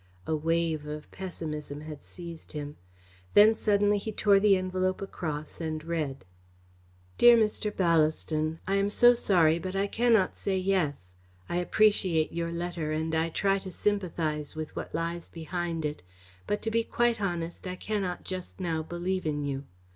A wave of pessimism had seized him. Then he suddenly tore the envelope across and read: DEAR MR. BALLASTON, I am so sorry but I cannot say "yes." I appreciate your letter and I try to sympathise with what lies behind it, but, to be quite honest, I cannot just now believe in you.